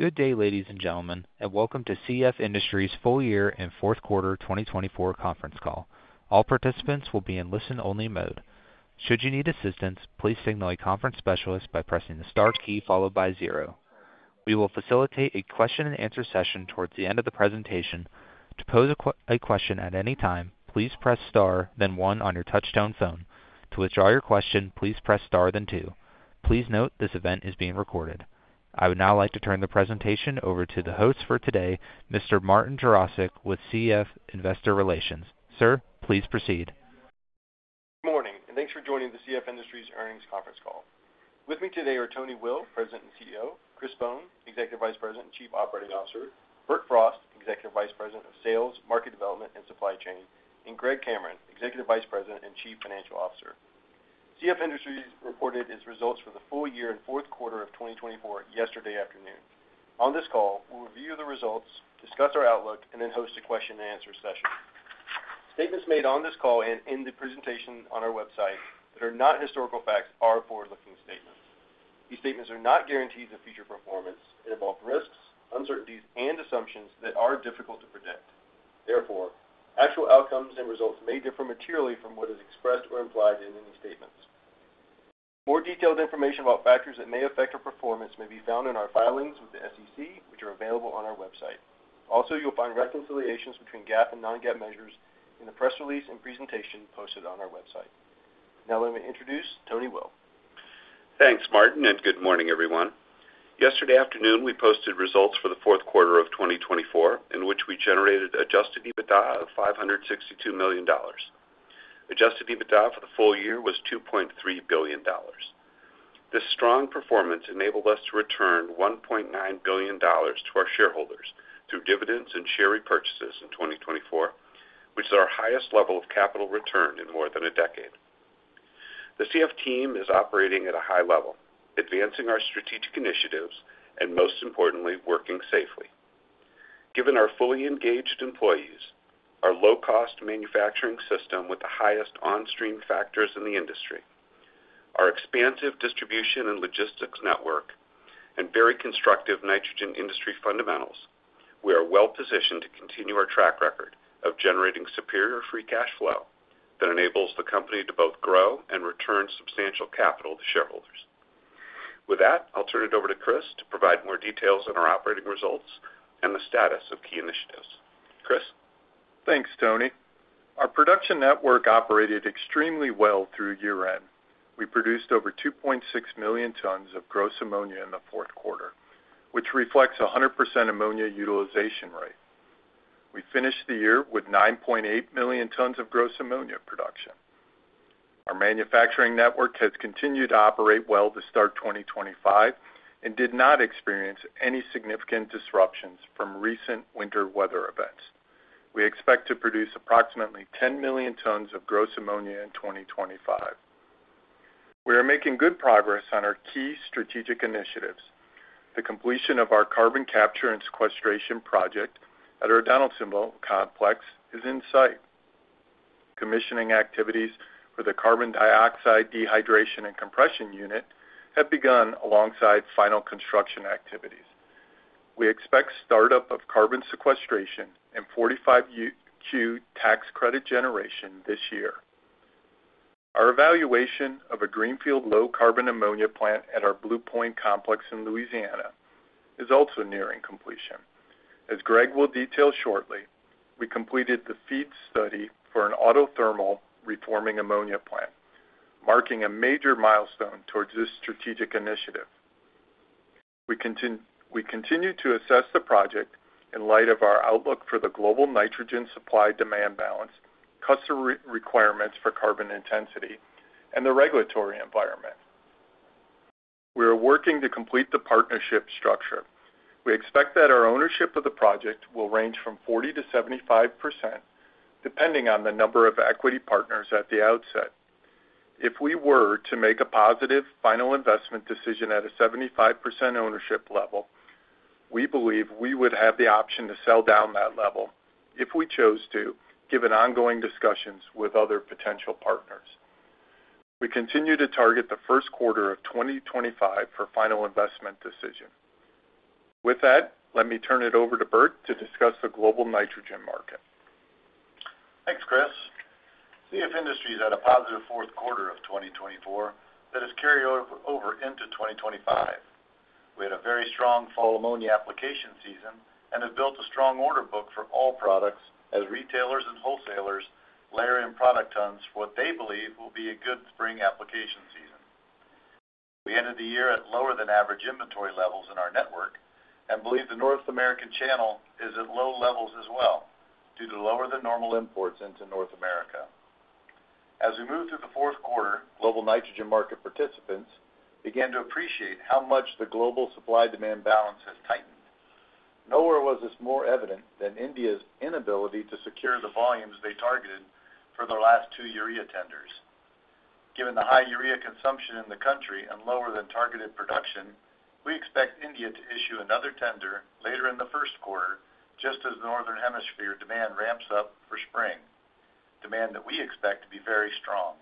Good day, ladies and gentlemen, and welcome to CF Industries' full year and fourth quarter 2024 conference call. All participants will be in listen-only mode. Should you need assistance, please signal a conference specialist by pressing the star key followed by zero. We will facilitate a question-and-answer session towards the end of the presentation. To pose a question at any time, please press star, then one on your touchtone phone. To withdraw your question, please press star, then two. Please note this event is being recorded. I would now like to turn the presentation over to the host for today, Mr. Martin Jarosick with CF Investor Relations. Sir, please proceed. Good morning, and thanks for joining the CF Industries earnings conference call. With me today are Tony Will, President and CEO, Chris Bohn, Executive Vice President and Chief Operating Officer, Bert Frost, Executive Vice President of Sales, Market Development, and Supply Chain, and Greg Cameron, Executive Vice President and Chief Financial Officer. CF Industries reported its results for the full year and fourth quarter of 2024 yesterday afternoon. On this call, we'll review the results, discuss our outlook, and then host a question-and-answer session. Statements made on this call and in the presentation on our website that are not historical facts are forward-looking statements. These statements are not guarantees of future performance. They involve risks, uncertainties, and assumptions that are difficult to predict. Therefore, actual outcomes and results may differ materially from what is expressed or implied in any statements. More detailed information about factors that may affect our performance may be found in our filings with the SEC, which are available on our website. Also, you'll find reconciliations between GAAP and non-GAAP measures in the press release and presentation posted on our website. Now, let me introduce Tony Will. Thanks, Martin, and good morning, everyone. Yesterday afternoon, we posted results for the fourth quarter of 2024, in which we generated Adjusted EBITDA of $562 million. Adjusted EBITDA for the full year was $2.3 billion. This strong performance enabled us to return $1.9 billion to our shareholders through dividends and share repurchases in 2024, which is our highest level of capital return in more than a decade. The CF team is operating at a high level, advancing our strategic initiatives, and most importantly, working safely. Given our fully engaged employees, our low-cost manufacturing system with the highest on-stream factors in the industry, our expansive distribution and logistics network, and very constructive nitrogen industry fundamentals, we are well positioned to continue our track record of generating superior free cash flow that enables the company to both grow and return substantial capital to shareholders. With that, I'll turn it over to Chris to provide more details on our operating results and the status of key initiatives. Chris. Thanks, Tony. Our production network operated extremely well through year-end. We produced over 2.6 million tons of gross ammonia in the fourth quarter, which reflects a 100% ammonia utilization rate. We finished the year with 9.8 million tons of gross ammonia production. Our manufacturing network has continued to operate well to start 2025 and did not experience any significant disruptions from recent winter weather events. We expect to produce approximately 10 million tons of gross ammonia in 2025. We are making good progress on our key strategic initiatives. The completion of our carbon capture and sequestration project at our Donaldsonville complex is in sight. Commissioning activities for the carbon dioxide dehydration and compression unit have begun alongside final construction activities. We expect startup of carbon sequestration and 45Q tax credit generation this year. Our evaluation of a greenfield low-carbon ammonia plant at our Blue Point complex in Louisiana is also nearing completion. As Greg will detail shortly, we completed the FEED study for an autothermal reforming ammonia plant, marking a major milestone towards this strategic initiative. We continue to assess the project in light of our outlook for the global nitrogen supply demand balance, customer requirements for carbon intensity, and the regulatory environment. We are working to complete the partnership structure. We expect that our ownership of the project will range from 40%-75%, depending on the number of equity partners at the outset. If we were to make a positive final investment decision at a 75% ownership level, we believe we would have the option to sell down that level if we chose to given ongoing discussions with other potential partners. We continue to target the first quarter of 2025 for final investment decision. With that, let me turn it over to Bert to discuss the global nitrogen market. Thanks, Chris. CF Industries had a positive fourth quarter of 2024 that has carried over into 2025. We had a very strong fall ammonia application season and have built a strong order book for all products as retailers and wholesalers layer in product tons for what they believe will be a good spring application season. We ended the year at lower than average inventory levels in our network and believe the North American channel is at low levels as well due to lower than normal imports into North America. As we move through the fourth quarter, global nitrogen market participants began to appreciate how much the global supply demand balance has tightened. Nowhere was this more evident than India's inability to secure the volumes they targeted for their last two urea tenders. Given the high urea consumption in the country and lower than targeted production, we expect India to issue another tender later in the first quarter just as the Northern Hemisphere demand ramps up for spring, demand that we expect to be very strong.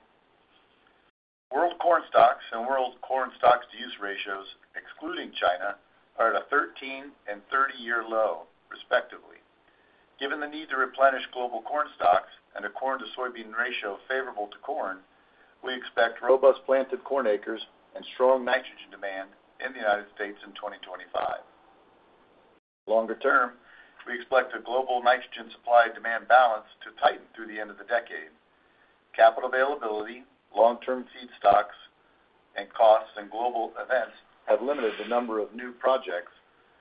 World corn stocks and world corn stocks-to-use ratios, excluding China, are at a 13- and 30-year low, respectively. Given the need to replenish global corn stocks and a corn-to-soybean ratio favorable to corn, we expect robust planted corn acres and strong nitrogen demand in the United States in 2025. Longer term, we expect the global nitrogen supply demand balance to tighten through the end of the decade. Capital availability, long-term feedstocks, and costs and global events have limited the number of new projects.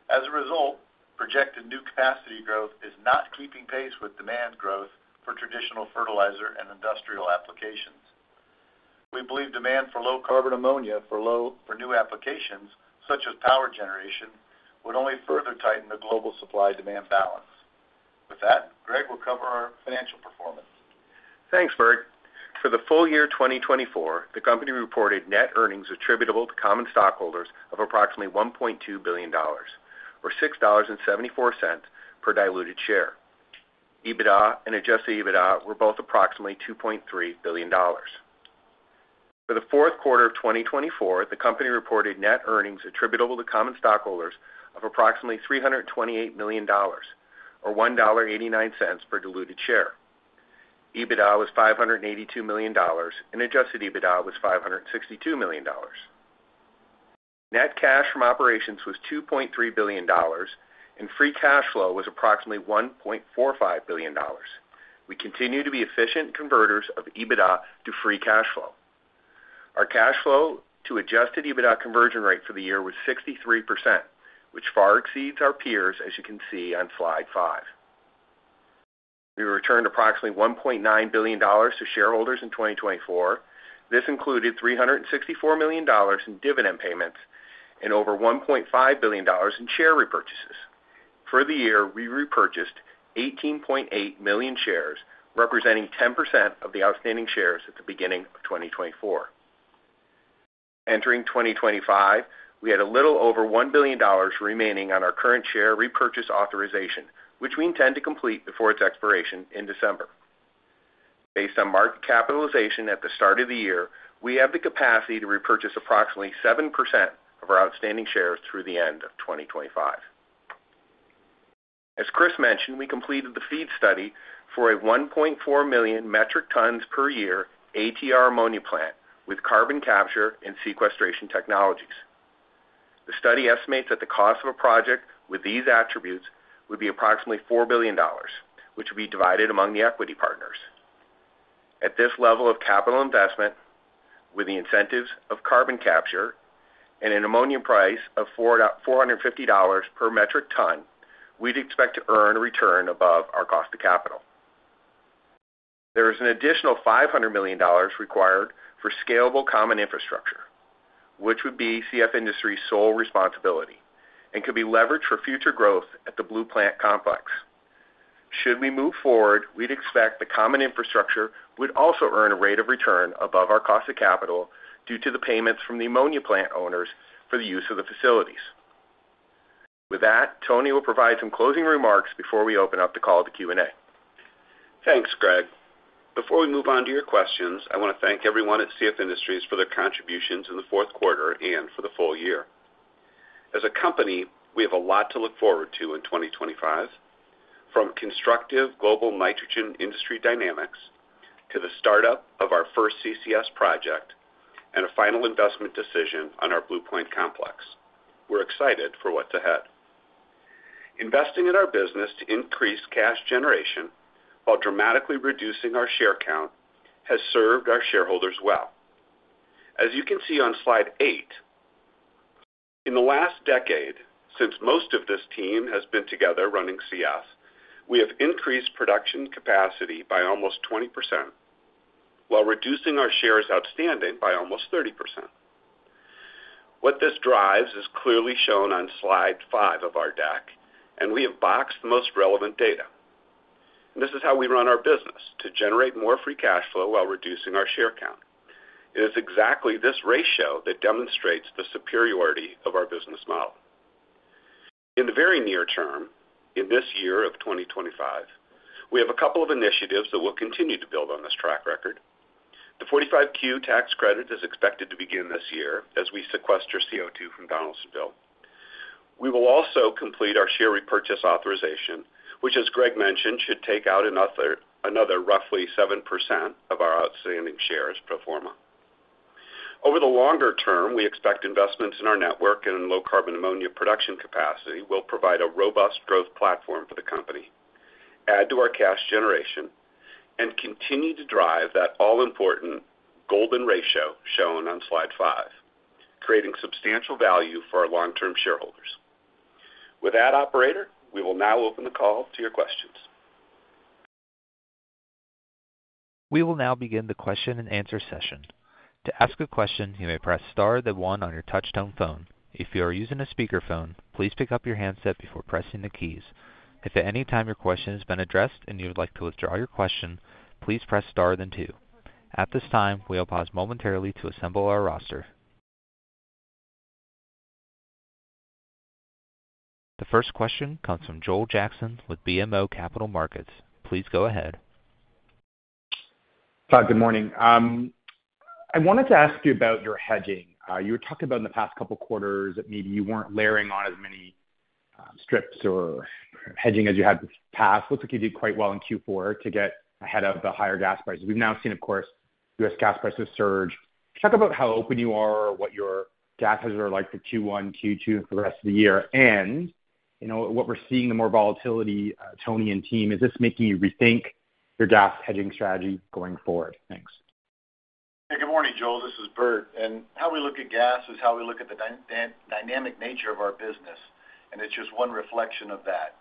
As a result, projected new capacity growth is not keeping pace with demand growth for traditional fertilizer and industrial applications. We believe demand for low-carbon ammonia for new applications, such as power generation, would only further tighten the global supply-demand balance. With that, Greg will cover our financial performance. Thanks, Bert. For the full year 2024, the company reported net earnings attributable to common stockholders of approximately $1.2 billion, or $6.74 per diluted share. EBITDA and adjusted EBITDA were both approximately $2.3 billion. For the fourth quarter of 2024, the company reported net earnings attributable to common stockholders of approximately $328 million, or $1.89 per diluted share. EBITDA was $582 million, and adjusted EBITDA was $562 million. Net cash from operations was $2.3 billion, and free cash flow was approximately $1.45 billion. We continue to be efficient converters of EBITDA to free cash flow. Our cash flow to adjusted EBITDA conversion rate for the year was 63%, which far exceeds our peers, as you can see on slide five. We returned approximately $1.9 billion to shareholders in 2024. This included $364 million in dividend payments and over $1.5 billion in share repurchases. For the year, we repurchased 18.8 million shares, representing 10% of the outstanding shares at the beginning of 2024. Entering 2025, we had a little over $1 billion remaining on our current share repurchase authorization, which we intend to complete before its expiration in December. Based on market capitalization at the start of the year, we have the capacity to repurchase approximately 7% of our outstanding shares through the end of 2025. As Chris mentioned, we completed the FEED study for a 1.4 million metric tons per year ATR ammonia plant with carbon capture and sequestration technologies. The study estimates that the cost of a project with these attributes would be approximately $4 billion, which would be divided among the equity partners. At this level of capital investment, with the incentives of carbon capture and an ammonia price of $450 per metric ton, we'd expect to earn a return above our cost of capital. There is an additional $500 million required for scalable common infrastructure, which would be CF Industries' sole responsibility and could be leveraged for future growth at the Blue Point complex. Should we move forward, we'd expect the common infrastructure would also earn a rate of return above our cost of capital due to the payments from the ammonia plant owners for the use of the facilities. With that, Tony will provide some closing remarks before we open up the call to Q&A. Thanks, Greg. Before we move on to your questions, I want to thank everyone at CF Industries for their contributions in the fourth quarter and for the full year. As a company, we have a lot to look forward to in 2025, from constructive global nitrogen industry dynamics to the startup of our first CCS project and a final investment decision on our Blue Point complex. We're excited for what's ahead. Investing in our business to increase cash generation while dramatically reducing our share count has served our shareholders well. As you can see on slide eight, in the last decade, since most of this team has been together running CF, we have increased production capacity by almost 20% while reducing our shares outstanding by almost 30%. What this drives is clearly shown on slide five of our deck, and we have boxed the most relevant data. This is how we run our business: to generate more free cash flow while reducing our share count. It is exactly this ratio that demonstrates the superiority of our business model. In the very near term, in this year of 2025, we have a couple of initiatives that will continue to build on this track record. The 45Q tax credit is expected to begin this year as we sequester CO2 from Donaldsonville. We will also complete our share repurchase authorization, which, as Greg mentioned, should take out another roughly 7% of our outstanding shares pro forma. Over the longer term, we expect investments in our network and in low carbon ammonia production capacity will provide a robust growth platform for the company, add to our cash generation, and continue to drive that all-important golden ratio shown on slide five, creating substantial value for our long-term shareholders. With that, operator, we will now open the call to your questions. We will now begin the question and answer session. To ask a question, you may press star then one on your touch-tone phone. If you are using a speakerphone, please pick up your handset before pressing the keys. If at any time your question has been addressed and you would like to withdraw your question, please press star then two. At this time, we will pause momentarily to assemble our roster. The first question comes from Joel Jackson with BMO Capital Markets. Please go ahead. Hi, good morning. I wanted to ask you about your hedging. You were talking about in the past couple of quarters that maybe you weren't layering on as many strips or hedging as you had in the past. Looks like you did quite well in Q4 to get ahead of the higher gas prices. We've now seen, of course, U.S. gas prices surge. Talk about how open you are, what your gas hedges are like for Q1, Q2, and for the rest of the year, and what we're seeing, the more volatility, Tony and team. Is this making you rethink your gas hedging strategy going forward? Thanks. Hey, good morning, Joel. This is Bert, and how we look at gas is how we look at the dynamic nature of our business, and it's just one reflection of that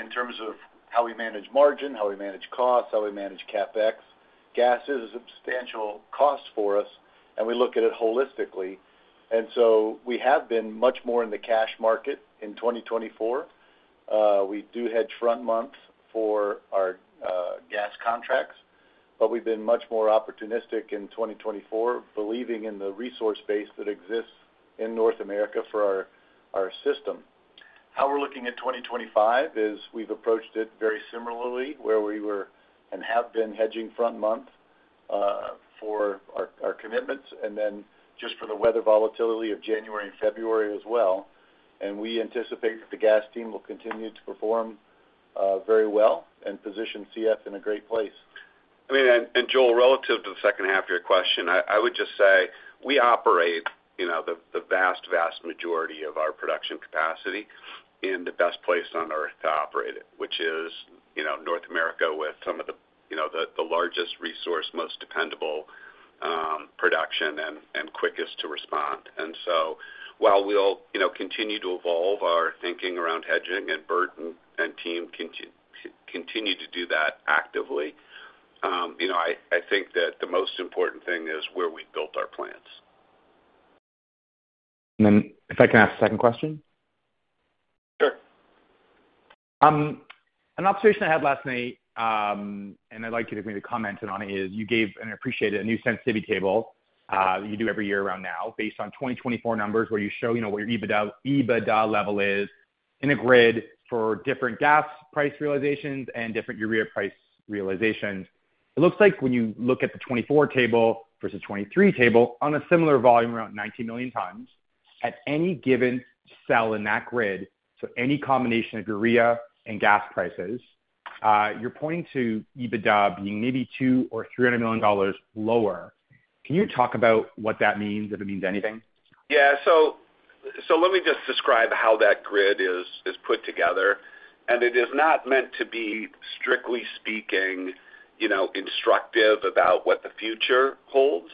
in terms of how we manage margin, how we manage costs, how we manage CapEx. Gas is a substantial cost for us, and we look at it holistically, and so we have been much more in the cash market in 2024. We do hedge front month for our gas contracts, but we've been much more opportunistic in 2024, believing in the resource base that exists in North America for our system. How we're looking at 2025 is we've approached it very similarly, where we were and have been hedging front month for our commitments and then just for the weather volatility of January and February as well. We anticipate that the gas team will continue to perform very well and position CF in a great place. I mean, and Joel, relative to the second half of your question, I would just say we operate the vast, vast majority of our production capacity in the best place on earth to operate it, which is North America with some of the largest resources, most dependable production, and quickest to respond. And so while we'll continue to evolve our thinking around hedging and Bert and team continue to do that actively, I think that the most important thing is where we built our plants. And then if I can ask a second question. An observation I had last night, and I'd like you to maybe comment on it, is you gave and appreciated a new sensitivity table that you do every year around now based on 2024 numbers where you show what your EBITDA level is in a grid for different gas price realizations and different urea price realizations. It looks like when you look at the 2024 table versus 2023 table, on a similar volume around 19 million tons, at any given cell in that grid, so any combination of urea and gas prices, you're pointing to EBITDA being maybe $2 million or $300 million lower. Can you talk about what that means, if it means anything? Yeah. So let me just describe how that grid is put together. And it is not meant to be, strictly speaking, instructive about what the future holds.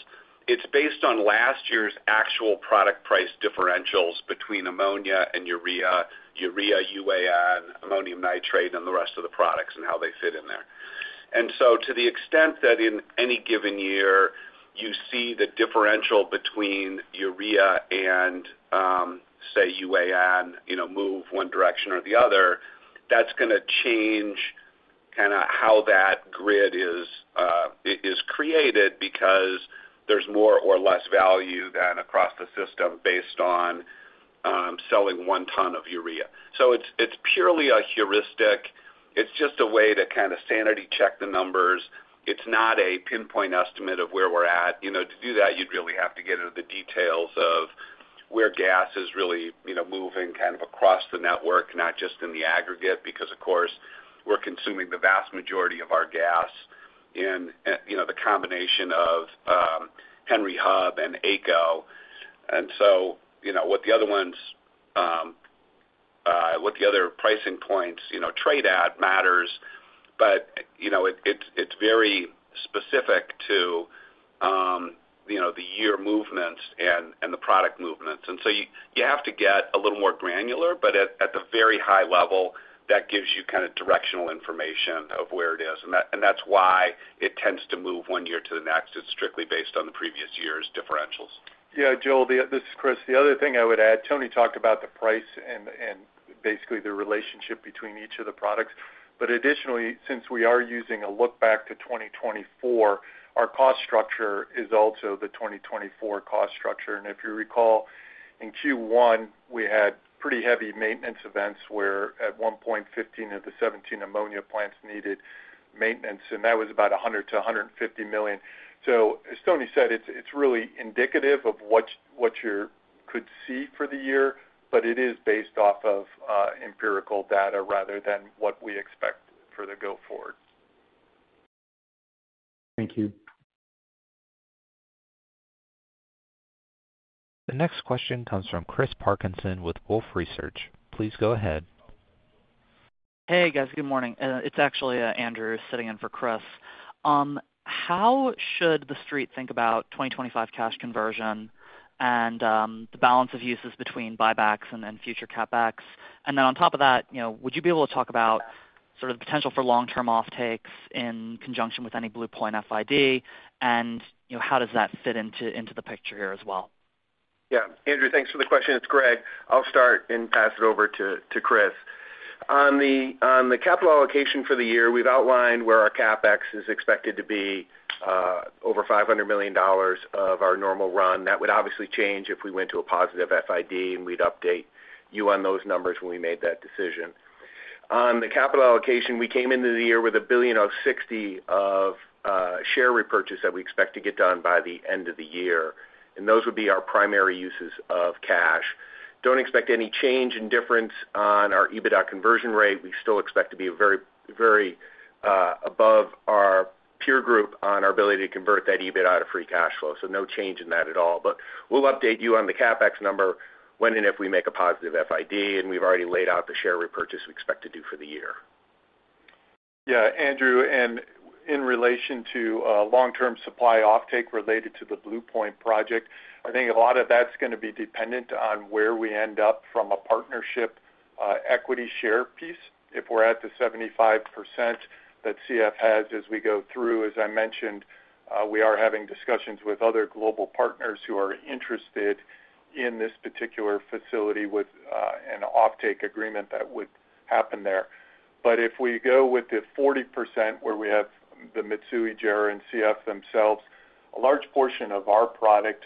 It's based on last year's actual product price differentials between ammonia and urea, urea, UAN, ammonium nitrate, and the rest of the products and how they fit in there. And so to the extent that in any given year you see the differential between urea and, say, UAN move one direction or the other, that's going to change kind of how that grid is created because there's more or less value than across the system based on selling one ton of urea. So it's purely a heuristic. It's just a way to kind of sanity check the numbers. It's not a pinpoint estimate of where we're at. To do that, you'd really have to get into the details of where gas is really moving kind of across the network, not just in the aggregate, because, of course, we're consuming the vast majority of our gas in the combination of Henry Hub and AECO. And so what the other ones, what the other pricing points trade at matters, but it's very specific to the year movements and the product movements. And so you have to get a little more granular, but at the very high level, that gives you kind of directional information of where it is. And that's why it tends to move one year to the next. It's strictly based on the previous year's differentials. Yeah, Joel, this is Chris. The other thing I would add, Tony talked about the price and basically the relationship between each of the products. But additionally, since we are using a look back to 2024, our cost structure is also the 2024 cost structure. And if you recall, in Q1, we had pretty heavy maintenance events where at one point, 15 of the 17 ammonia plants needed maintenance, and that was about $100 million-$150 million. So as Tony said, it's really indicative of what you could see for the year, but it is based off of empirical data rather than what we expect for the go forward. Thank you. The next question comes from Chris Parkinson with Wolfe Research. Please go ahead. Hey, guys. Good morning. It's actually Andrew sitting in for Chris. How should the street think about 2025 cash conversion and the balance of uses between buybacks and future CapEx? And then on top of that, would you be able to talk about sort of the potential for long-term offtakes in conjunction with any Blue Point FID, and how does that fit into the picture here as well? Yeah. Andrew, thanks for the question. It's Greg. I'll start and pass it over to Chris. On the capital allocation for the year, we've outlined where our CapEx is expected to be over $500 million of our normal run. That would obviously change if we went to a positive FID, and we'd update you on those numbers when we made that decision. On the capital allocation, we came into the year with $1 billion or $600 million of share repurchase that we expect to get done by the end of the year. And those would be our primary uses of cash. Don't expect any change in difference on our EBITDA conversion rate. We still expect to be very above our peer group on our ability to convert that EBITDA to free cash flow. So no change in that at all. But we'll update you on the CapEx number when and if we make a positive FID. And we've already laid out the share repurchase we expect to do for the year. Yeah, Andrew. And in relation to long-term supply offtake related to the Blue Point project, I think a lot of that's going to be dependent on where we end up from a partnership equity share piece. If we're at the 75% that CF has as we go through, as I mentioned, we are having discussions with other global partners who are interested in this particular facility with an offtake agreement that would happen there. But if we go with the 40% where we have the Mitsui, JERA, and CF themselves, a large portion of our product,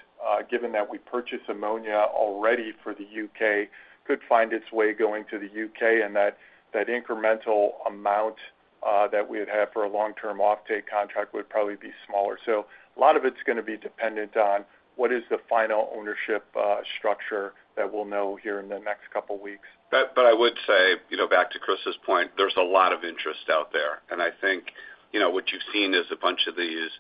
given that we purchase ammonia already for the UK, could find its way going to the UK, and that incremental amount that we would have for a long-term offtake contract would probably be smaller. A lot of it's going to be dependent on what is the final ownership structure that we'll know here in the next couple of weeks. But I would say, back to Chris's point, there's a lot of interest out there. And I think what you've seen is a bunch of these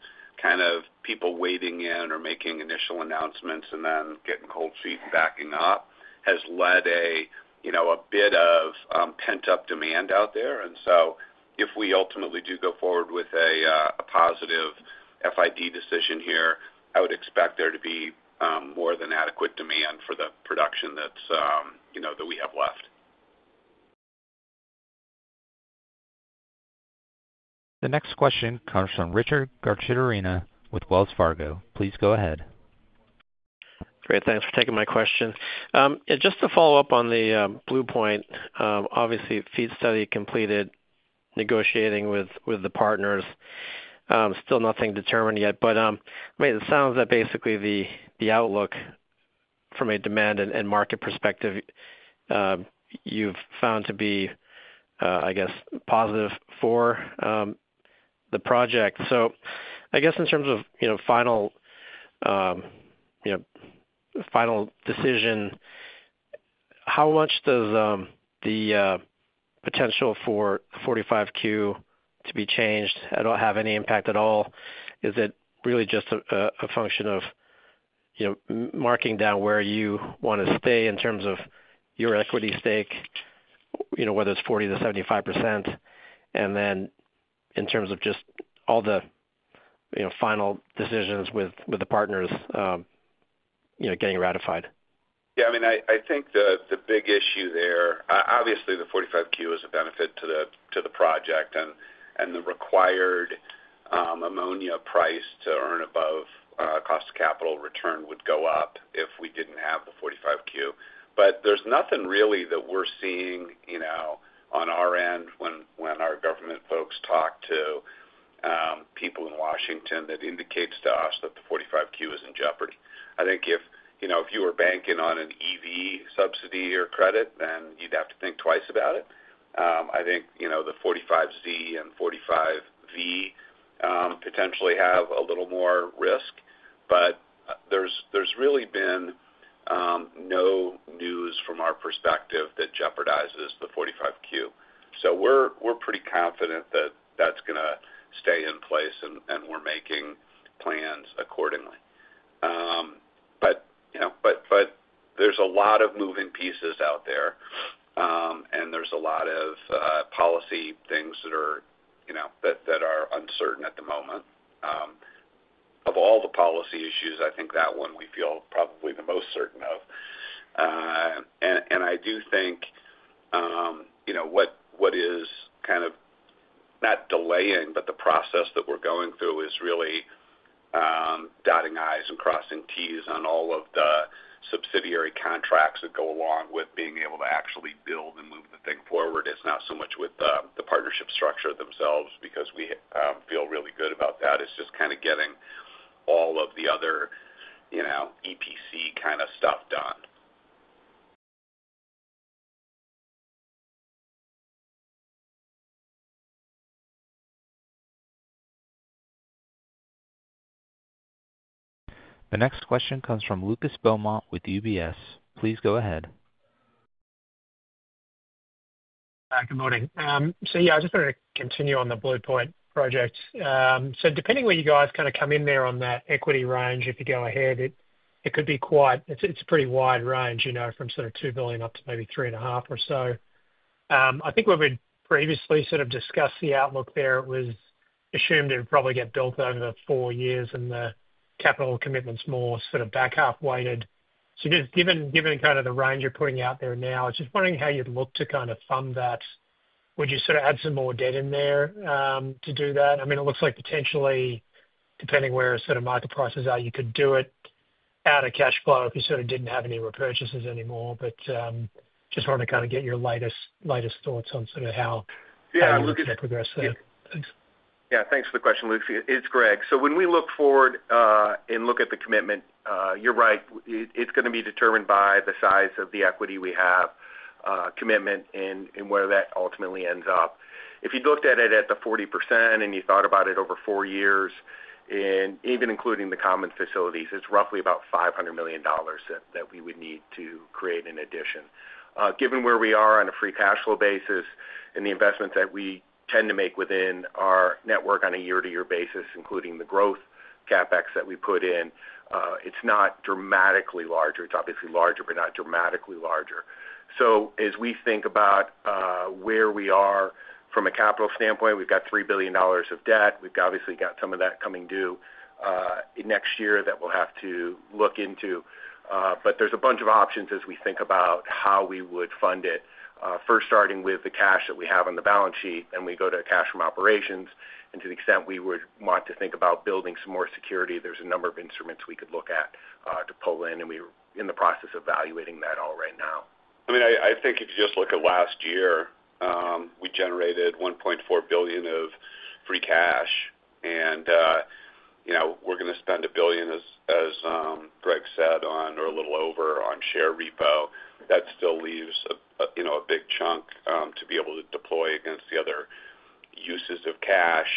kind of people wading in or making initial announcements and then getting cold feet and backing up has led a bit of pent-up demand out there. And so if we ultimately do go forward with a positive FID decision here, I would expect there to be more than adequate demand for the production that we have left. The next question comes from Richard Garchitorena with Wells Fargo. Please go ahead. Great. Thanks for taking my question. Just to follow up on the Blue Point, obviously, FEED study completed, negotiating with the partners. Still nothing determined yet. But it sounds that basically the outlook from a demand and market perspective you've found to be, I guess, positive for the project. So I guess in terms of final decision, how much does the potential for 45Q to be changed at all have any impact at all? Is it really just a function of marking down where you want to stay in terms of your equity stake, whether it's 40%-75%, and then in terms of just all the final decisions with the partners getting ratified? Yeah. I mean, I think the big issue there, obviously, the 45Q is a benefit to the project, and the required ammonia price to earn above cost of capital return would go up if we didn't have the 45Q. But there's nothing really that we're seeing on our end when our government folks talk to people in Washington that indicates to us that the 45Q is in jeopardy. I think if you were banking on an EV subsidy or credit, then you'd have to think twice about it. I think the 45Z and 45V potentially have a little more risk. But there's really been no news from our perspective that jeopardizes the 45Q. So we're pretty confident that that's going to stay in place, and we're making plans accordingly. But there's a lot of moving pieces out there, and there's a lot of policy things that are uncertain at the moment. Of all the policy issues, I think that one we feel probably the most certain of. And I do think what is kind of not delaying, but the process that we're going through is really dotting i's and crossing t's on all of the subsidiary contracts that go along with being able to actually build and move the thing forward. It's not so much with the partnership structure themselves because we feel really good about that. It's just kind of getting all of the other EPC kind of stuff done. The next question comes from Lucas Beaumont with UBS. Please go ahead. Good morning. So yeah, I just wanted to continue on the Blue Point project. So depending on where you guys kind of come in there on that equity range, if you go ahead, it could be quite. It's a pretty wide range from sort of $2 billion up to maybe $3.5 billion or so. I think what we'd previously sort of discussed the outlook there was assumed it would probably get built over four years, and the capital commitments more sort of back half weighted. So given kind of the range you're putting out there now, I was just wondering how you'd look to kind of fund that. Would you sort of add some more debt in there to do that? I mean, it looks like potentially, depending where sort of market prices are, you could do it out of cash flow if you sort of didn't have any repurchases anymore. But just wanted to kind of get your latest thoughts on sort of how that progresses. Yeah. Thanks for the question, Lucas. It's Greg. So when we look forward and look at the commitment, you're right, it's going to be determined by the size of the equity we have, commitment, and where that ultimately ends up. If you'd looked at it at the 40% and you thought about it over four years, and even including the common facilities, it's roughly about $500 million that we would need to create in addition. Given where we are on a free cash flow basis and the investments that we tend to make within our network on a year-to-year basis, including the growth CapEx that we put in, it's not dramatically larger. It's obviously larger, but not dramatically larger. So as we think about where we are from a capital standpoint, we've got $3 billion of debt. We've obviously got some of that coming due next year that we'll have to look into. But there's a bunch of options as we think about how we would fund it. First, starting with the cash that we have on the balance sheet, then we go to cash from operations. And to the extent we would want to think about building some more security, there's a number of instruments we could look at to pull in, and we're in the process of evaluating that all right now. I mean, I think if you just look at last year, we generated $1.4 billion of free cash. And we're going to spend $1 billion, as Greg said, or a little over on share repo. That still leaves a big chunk to be able to deploy against the other uses of cash.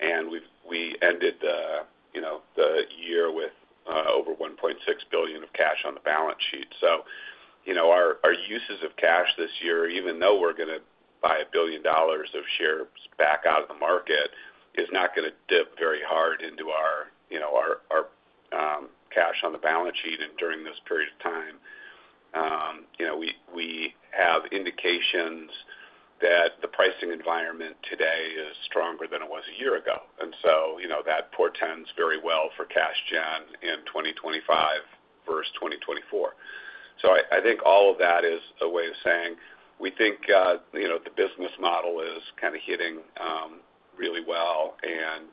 And we ended the year with over $1.6 billion of cash on the balance sheet. So our uses of cash this year, even though we're going to buy $1 billion of shares back out of the market, is not going to dip very hard into our cash on the balance sheet during this period of time. We have indications that the pricing environment today is stronger than it was a year ago. And so that portends very well for cash gen in 2025 versus 2024. I think all of that is a way of saying we think the business model is kind of hitting really well, and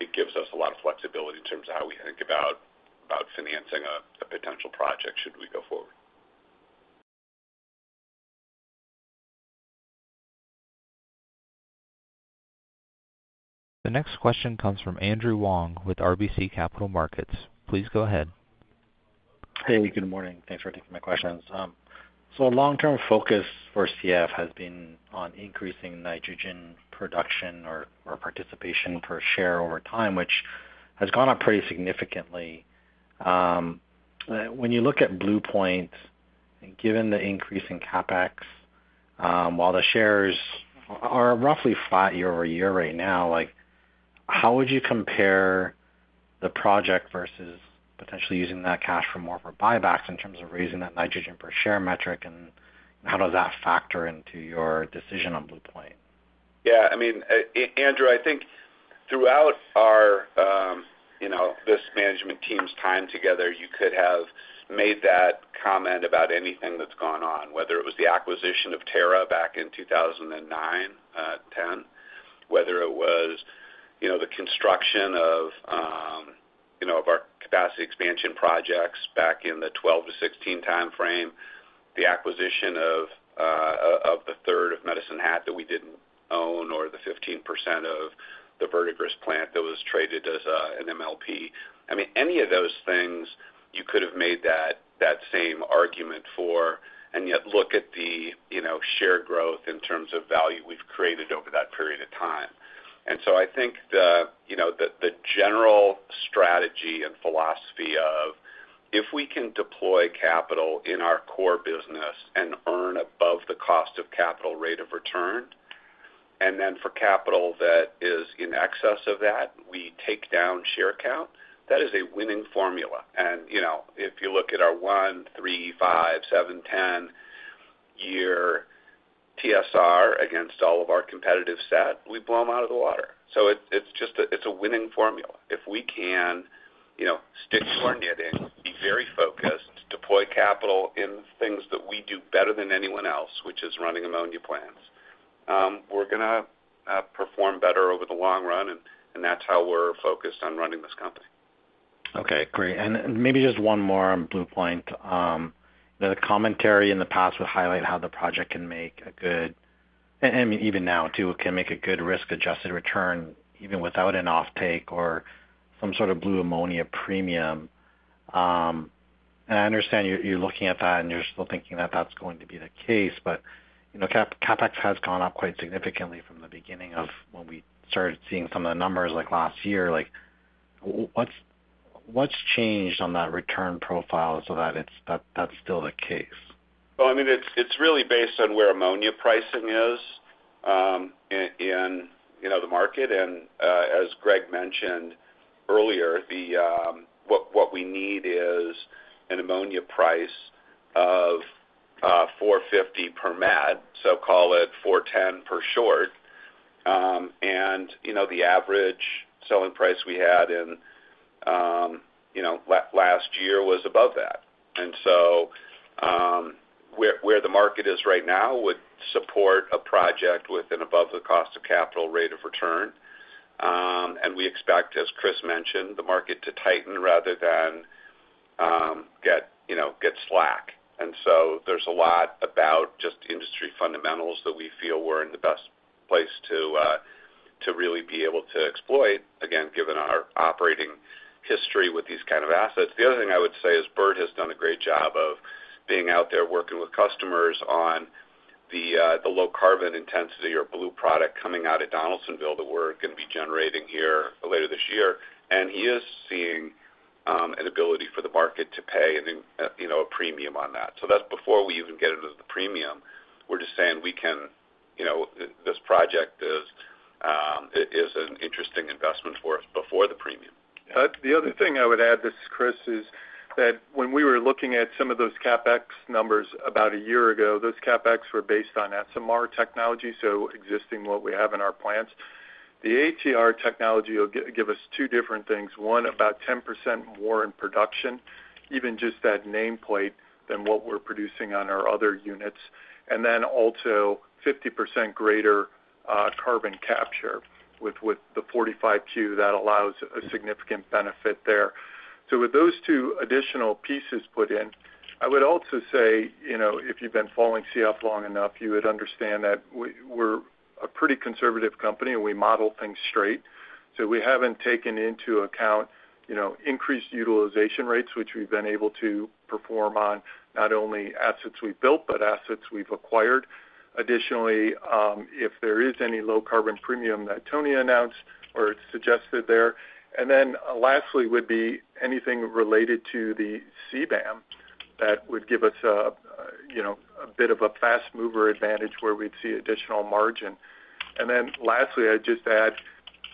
it gives us a lot of flexibility in terms of how we think about financing a potential project should we go forward. The next question comes from Andrew Wong with RBC Capital Markets. Please go ahead. Hey, good morning. Thanks for taking my questions. So a long-term focus for CF has been on increasing nitrogen production or participation per share over time, which has gone up pretty significantly. When you look at Blue Point, given the increase in CapEx, while the shares are roughly flat year over year right now, how would you compare the project versus potentially using that cash for more of a buyback in terms of raising that nitrogen per share metric, and how does that factor into your decision on Blue Point? Yeah. I mean, Andrew, I think throughout this management team's time together, you could have made that comment about anything that's gone on, whether it was the acquisition of Terra back in 2009, 2010, whether it was the construction of our capacity expansion projects back in the 2012-2016 timeframe, the acquisition of the third of Medicine Hat that we didn't own, or the 15% of the Verdigris plant that was traded as an MLP. I mean, any of those things, you could have made that same argument for, and yet look at the share growth in terms of value we've created over that period of time. And so I think the general strategy and philosophy of if we can deploy capital in our core business and earn above the cost of capital rate of return, and then for capital that is in excess of that, we take down share count. That is a winning formula. And if you look at our one, three, five, seven, 10-year TSR against all of our competitive set, we blow them out of the water. So it's a winning formula. If we can stick to our knitting, be very focused, deploy capital in things that we do better than anyone else, which is running ammonia plants, we're going to perform better over the long run. And that's how we're focused on running this company. Okay. Great. And maybe just one more on Blue Point. The commentary in the past would highlight how the project can make a good, I mean, even now too, can make a good risk-adjusted return even without an offtake or some sort of blue ammonia premium. And I understand you're looking at that, and you're still thinking that that's going to be the case. But CapEx has gone up quite significantly from the beginning of when we started seeing some of the numbers like last year. What's changed on that return profile so that that's still the case? Well, I mean, it's really based on where ammonia pricing is in the market. And as Greg mentioned earlier, what we need is an ammonia price of $450 per met. So call it $410 per short. And the average selling price we had last year was above that. And so where the market is right now would support a project with an above-the-cost-of-capital rate of return. And we expect, as Chris mentioned, the market to tighten rather than get slack. And so there's a lot about just industry fundamentals that we feel we're in the best place to really be able to exploit, again, given our operating history with these kind of assets. The other thing I would say is Bert has done a great job of being out there working with customers on the low carbon intensity or blue product coming out of Donaldsonville that we're going to be generating here later this year, and he is seeing an ability for the market to pay a premium on that, so that's before we even get into the premium. We're just saying we can, this project is an interesting investment for us before the premium. The other thing I would add, this is Chris, is that when we were looking at some of those CapEx numbers about a year ago, those CapEx were based on SMR technology, so existing what we have in our plants. The ATR technology will give us two different things. One, about 10% more in production, even just that nameplate than what we're producing on our other units. And then also 50% greater carbon capture with the 45Q. That allows a significant benefit there. So with those two additional pieces put in, I would also say if you've been following CF long enough, you would understand that we're a pretty conservative company. We model things straight. So we haven't taken into account increased utilization rates, which we've been able to perform on not only assets we've built, but assets we've acquired. Additionally, if there is any low-carbon premium that Tony announced or suggested there. And then lastly would be anything related to the CBAM that would give us a bit of a fast-mover advantage where we'd see additional margin. And then lastly, I'd just add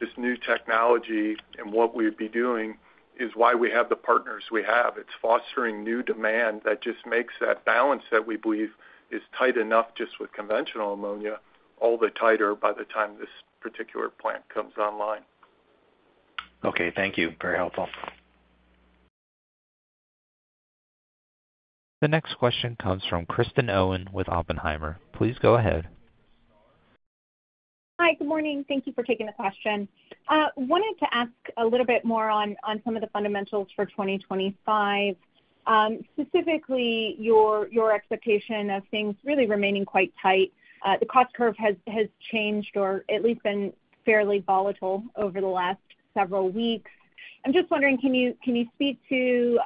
this new technology and what we'd be doing is why we have the partners we have. It's fostering new demand that just makes that balance that we believe is tight enough just with conventional ammonia, all the tighter by the time this particular plant comes online. Okay. Thank you. Very helpful. The next question comes from Kristen Owen with Oppenheimer. Please go ahead. Hi. Good morning. Thank you for taking the question. I wanted to ask a little bit more on some of the fundamentals for 2025, specifically your expectation of things really remaining quite tight. The cost curve has changed or at least been fairly volatile over the last several weeks. I'm just wondering, can you speak to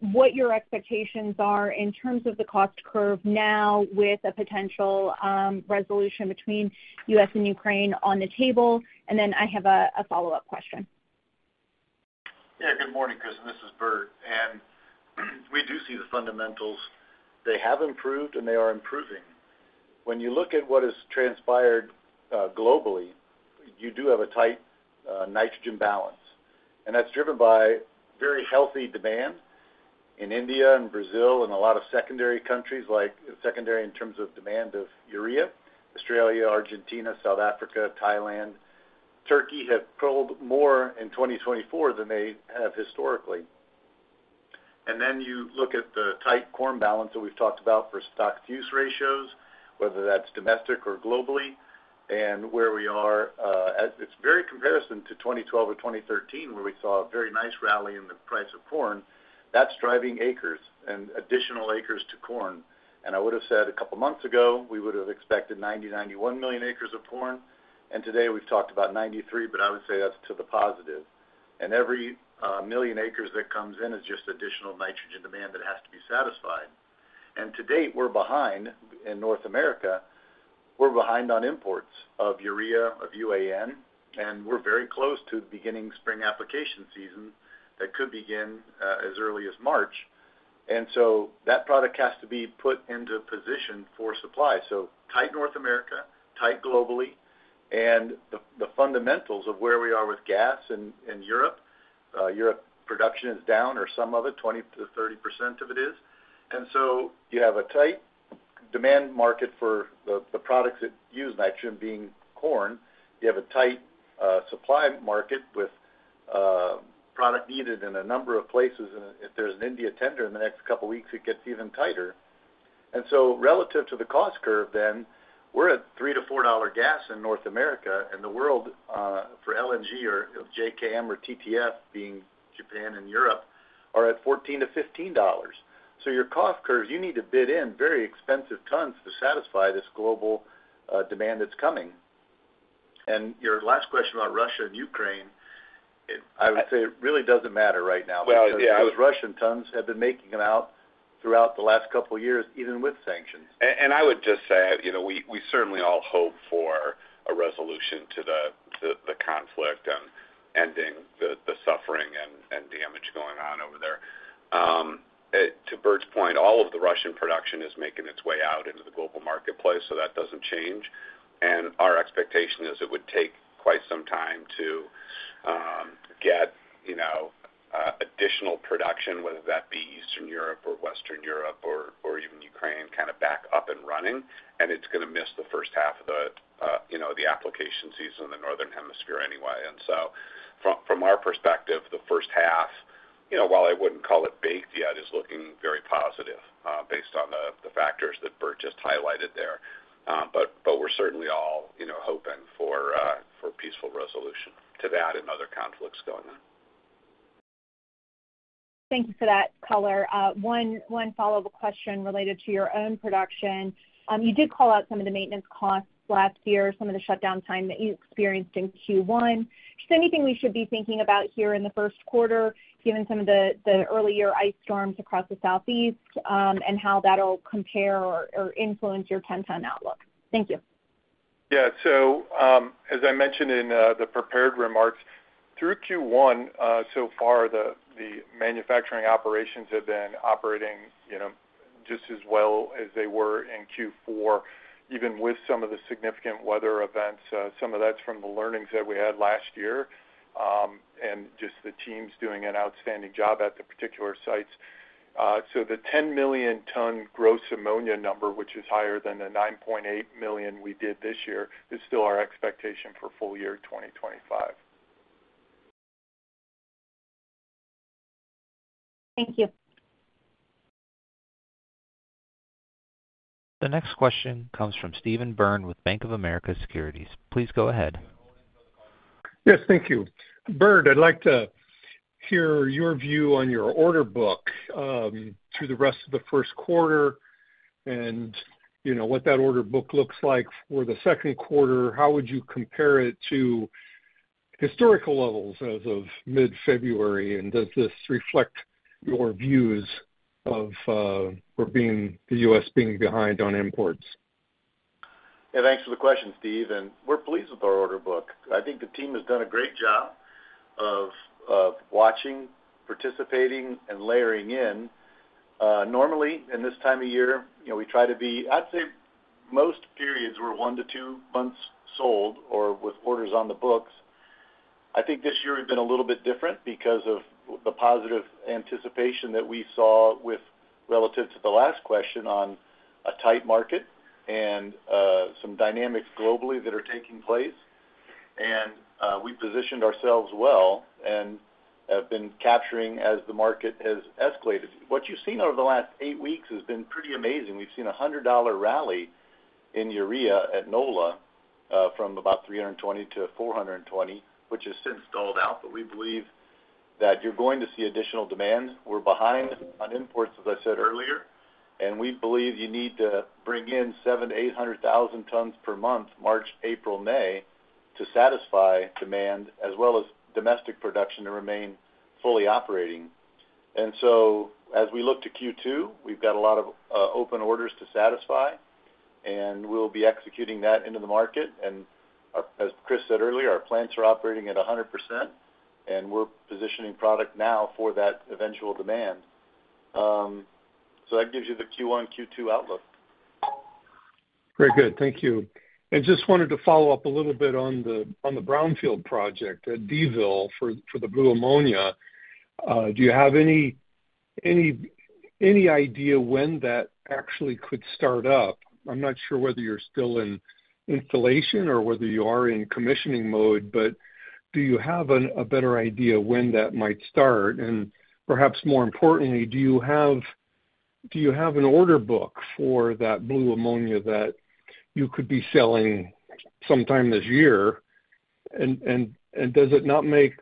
what your expectations are in terms of the cost curve now with a potential resolution between U.S. and Ukraine on the table? And then I have a follow-up question. Yeah. Good morning, Kristen. This is Bert. And we do see the fundamentals. They have improved, and they are improving. When you look at what has transpired globally, you do have a tight nitrogen balance. And that's driven by very healthy demand in India and Brazil and a lot of secondary countries like secondary in terms of demand of urea. Australia, Argentina, South Africa, Thailand, Turkey have pulled more in 2024 than they have historically. And then you look at the tight corn balance that we've talked about for stock-to-use ratios, whether that's domestic or globally, and where we are. It's very comparable to 2012 or 2013 where we saw a very nice rally in the price of corn. That's driving acres and additional acres to corn. And I would have said a couple of months ago, we would have expected 90-91 million acres of corn. And today we've talked about 93, but I would say that's to the positive. And every million acres that comes in is just additional nitrogen demand that has to be satisfied. And to date, we're behind in North America. We're behind on imports of urea, of UAN. And we're very close to beginning spring application season that could begin as early as March. And so that product has to be put into position for supply. So tight North America, tight globally. And the fundamentals of where we are with gas in Europe, Europe production is down or some of it, 20%-30% of it is. And so you have a tight demand market for the products that use nitrogen being corn. You have a tight supply market with product needed in a number of places. And if there's an India tender in the next couple of weeks, it gets even tighter. And so relative to the cost curve then, we're at $3-$4 gas in North America. And the world for LNG or JKM or TTF being Japan and Europe are at $14-$15. So your cost curve, you need to bid in very expensive tons to satisfy this global demand that's coming. And your last question about Russia and Ukraine, I would say it really doesn't matter right now because Russian tons have been making their way out throughout the last couple of years, even with sanctions. And I would just say we certainly all hope for a resolution to the conflict and ending the suffering and damage going on over there. To Bert's point, all of the Russian production is making its way out into the global marketplace, so that doesn't change. And our expectation is it would take quite some time to get additional production, whether that be Eastern Europe or Western Europe or even Ukraine kind of back up and running. And it's going to miss the first half of the application season in the Northern Hemisphere anyway. And so from our perspective, the first half, while I wouldn't call it baked yet, is looking very positive based on the factors that Bert just highlighted there. But we're certainly all hoping for peaceful resolution to that and other conflicts going on. Thank you for that, color. One follow-up question related to your own production. You did call out some of the maintenance costs last year, some of the shutdown time that you experienced in Q1. Just anything we should be thinking about here in the first quarter, given some of the earlier ice storms across the southeast and how that'll compare or influence your tonnage outlook? Thank you. Yeah, so as I mentioned in the prepared remarks, through Q1 so far, the manufacturing operations have been operating just as well as they were in Q4, even with some of the significant weather events. Some of that's from the learnings that we had last year and just the teams doing an outstanding job at the particular sites, so the 10 million-ton gross ammonia number, which is higher than the 9.8 million we did this year, is still our expectation for full year 2025. Thank you. The next question comes from Stephen Byrne with Bank of America Securities. Please go ahead. Yes. Thank you. Bert, I'd like to hear your view on your order book through the rest of the first quarter and what that order book looks like for the second quarter. How would you compare it to historical levels as of mid-February, and does this reflect your views of the U.S. being behind on imports? Yeah. Thanks for the question, Steve. And we're pleased with our order book. I think the team has done a great job of watching, participating, and layering in. Normally, in this time of year, we try to be—I'd say most periods were one to two months sold or with orders on the books. I think this year we've been a little bit different because of the positive anticipation that we saw relative to the last question on a tight market and some dynamics globally that are taking place. And we positioned ourselves well and have been capturing as the market has escalated. What you've seen over the last eight weeks has been pretty amazing. We've seen a $100 rally in urea at NOLA from about $320 to $420, which has since dulled out. But we believe that you're going to see additional demand. We're behind on imports, as I said earlier. And we believe you need to bring in 700,000-800,000 tons per month, March, April, May, to satisfy demand as well as domestic production to remain fully operating. And so as we look to Q2, we've got a lot of open orders to satisfy. And we'll be executing that into the market. And as Chris said earlier, our plants are operating at 100%. And we're positioning product now for that eventual demand. So that gives you the Q1, Q2 outlook. Very good. Thank you. And just wanted to follow up a little bit on the Brownfield project at Donaldsonville for the blue ammonia. Do you have any idea when that actually could start up? I'm not sure whether you're still in installation or whether you are in commissioning mode. But do you have a better idea when that might start? And perhaps more importantly, do you have an order book for that blue ammonia that you could be selling sometime this year? And does it not make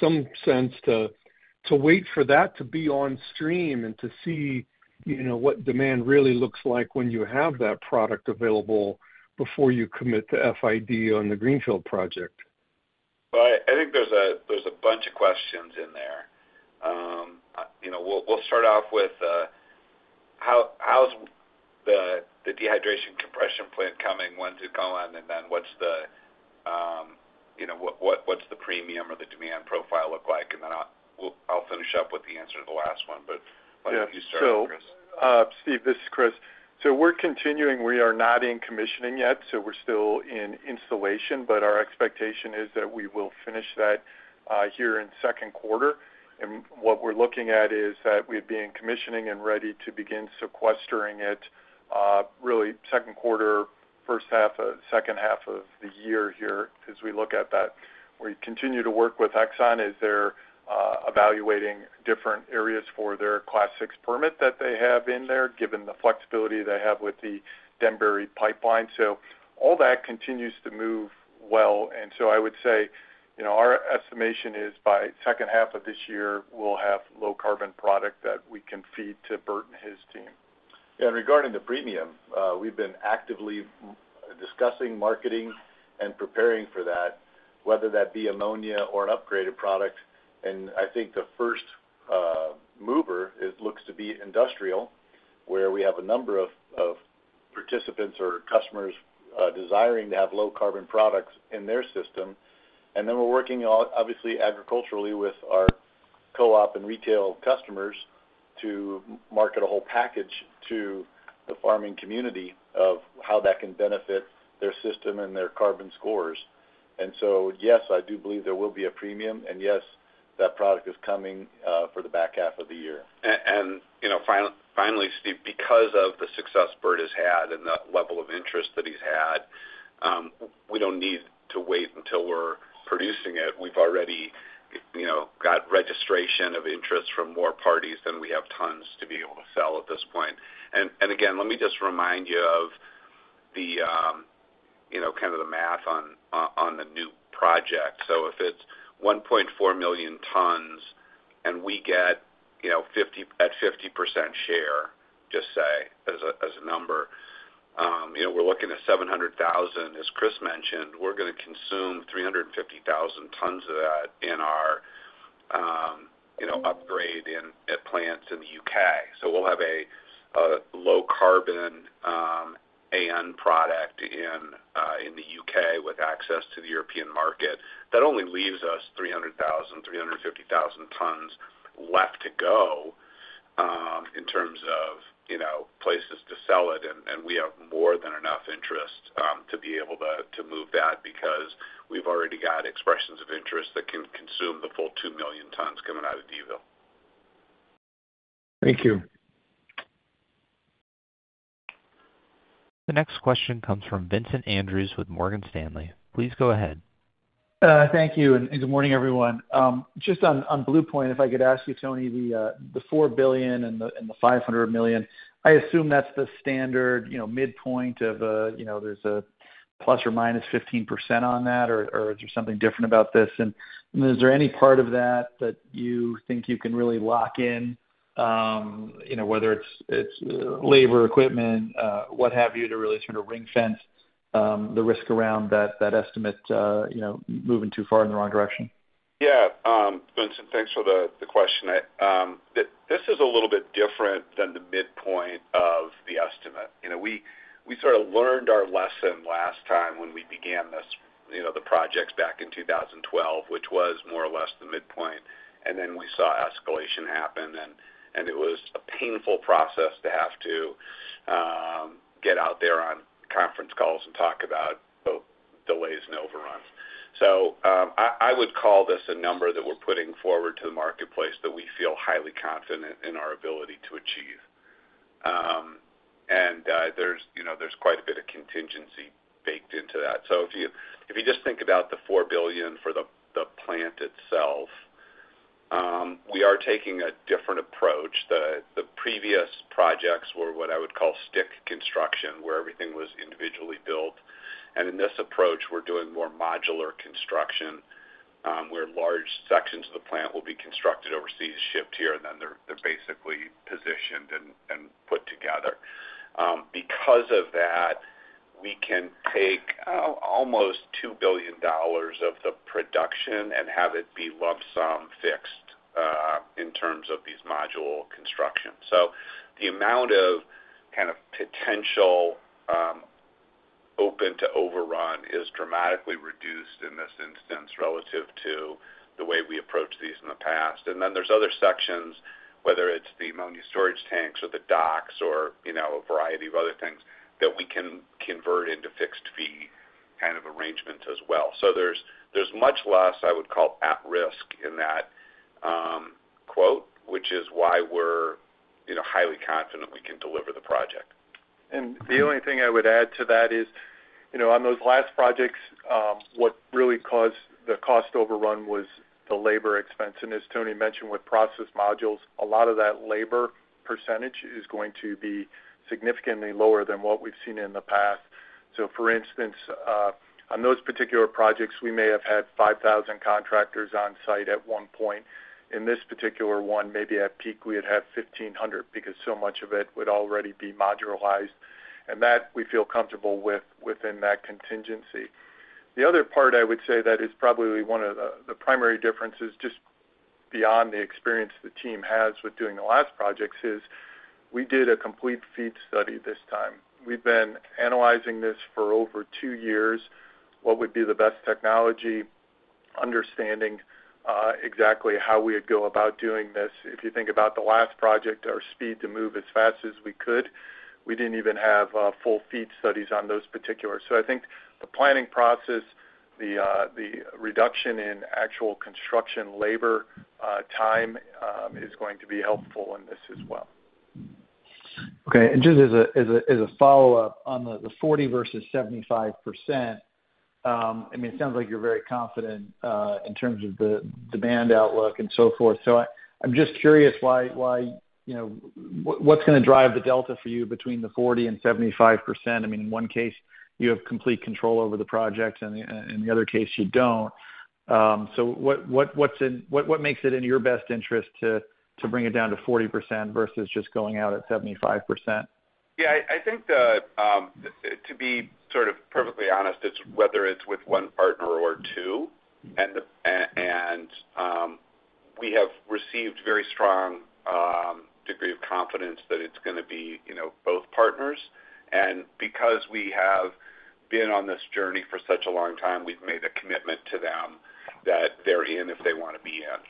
some sense to wait for that to be on stream and to see what demand really looks like when you have that product available before you commit to FID on the Greenfield project? I think there's a bunch of questions in there. We'll start off with how's the dehydration compression plant coming? When's it going? And then what's the premium or the demand profile look like? And then I'll finish up with the answer to the last one. But why don't you start, Chris? Yeah. So Steve, this is Chris. So, we're continuing. We are not in commissioning yet. So, we're still in installation, but our expectation is that we will finish that here in second quarter. And what we're looking at is that we'd be in commissioning and ready to begin sequestering it really second quarter, first half, second half of the year here as we look at that. We continue to work with Exxon as they're evaluating different areas for their Class VI permit that they have in there, given the flexibility they have with the Denbury pipeline. So, all that continues to move well, and so I would say our estimation is by second half of this year, we'll have low carbon product that we can feed to Bert and his team. And regarding the premium, we've been actively discussing, marketing, and preparing for that, whether that be ammonia or an upgraded product. And I think the first mover looks to be industrial, where we have a number of participants or customers desiring to have low carbon products in their system. And then we're working, obviously, agriculturally with our co-op and retail customers to market a whole package to the farming community of how that can benefit their system and their carbon scores. And so yes, I do believe there will be a premium. And yes, that product is coming for the back half of the year. And finally, Steve, because of the success Bert has had and the level of interest that he's had, we don't need to wait until we're producing it. We've already got registration of interest from more parties than we have tons to be able to sell at this point. And again, let me just remind you of kind of the math on the new project. So if it's 1.4 million tons and we get at 50% share, just say, as a number, we're looking at 700,000, as Chris mentioned. We're going to consume 350,000 tons of that in our upgrade at plants in the UK. So we'll have a low carbon AN product in the UK with access to the European market. That only leaves us 300,000, 350,000 tons left to go in terms of places to sell it. We have more than enough interest to be able to move that because we've already got expressions of interest that can consume the full 2 million tons coming out of D'ville. Thank you. The next question comes from Vincent Andrews with Morgan Stanley. Please go ahead. Thank you and good morning, everyone. Just on Blue Point, if I could ask you, Tony, the $4 billion and the $500 million, I assume that's the standard midpoint of there's a plus or minus 15% on that, or is there something different about this? And is there any part of that that you think you can really lock in, whether it's labor, equipment, what have you, to really sort of ring-fence the risk around that estimate moving too far in the wrong direction? Yeah. Vincent, thanks for the question. This is a little bit different than the midpoint of the estimate. We sort of learned our lesson last time when we began the projects back in 2012, which was more or less the midpoint. And then we saw escalation happen. And it was a painful process to have to get out there on conference calls and talk about delays and overruns. So I would call this a number that we're putting forward to the marketplace that we feel highly confident in our ability to achieve. And there's quite a bit of contingency baked into that. So if you just think about the $4 billion for the plant itself, we are taking a different approach. The previous projects were what I would call stick construction, where everything was individually built. And in this approach, we're doing more modular construction, where large sections of the plant will be constructed overseas, shipped here, and then they're basically positioned and put together. Because of that, we can take almost $2 billion of the production and have it be lump sum fixed in terms of these modular constructions. So the amount of kind of potential open to overrun is dramatically reduced in this instance relative to the way we approached these in the past. And then there's other sections, whether it's the ammonia storage tanks or the docks or a variety of other things that we can convert into fixed fee kind of arrangements as well. So there's much less, I would call, at risk in that quote, which is why we're highly confident we can deliver the project. The only thing I would add to that is on those last projects, what really caused the cost overrun was the labor expense. As Tony mentioned with process modules, a lot of that labor percentage is going to be significantly lower than what we've seen in the past. For instance, on those particular projects, we may have had 5,000 contractors on site at one point. In this particular one, maybe at peak, we would have 1,500 because so much of it would already be modularized. That we feel comfortable with within that contingency. The other part I would say that is probably one of the primary differences just beyond the experience the team has with doing the last projects is we did a complete FEED study this time. We've been analyzing this for over two years, what would be the best technology, understanding exactly how we would go about doing this. If you think about the last project, our speed to move as fast as we could, we didn't even have full FEED studies on those particulars, so I think the planning process, the reduction in actual construction labor time is going to be helpful in this as well. Okay. And just as a follow-up on the 40% versus 75%, I mean, it sounds like you're very confident in terms of the demand outlook and so forth. So I'm just curious what's going to drive the delta for you between the 40% and 75%? I mean, in one case, you have complete control over the project, and in the other case, you don't. So what makes it in your best interest to bring it down to 40% versus just going out at 75%? Yeah. I think to be sort of perfectly honest, it's whether it's with one partner or two, and we have received a very strong degree of confidence that it's going to be both partners, and because we have been on this journey for such a long time, we've made a commitment to them that they're in if they want to be in,